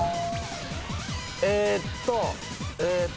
えーっとえーっと。